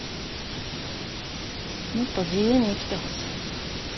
もっと自由に生きてほしい。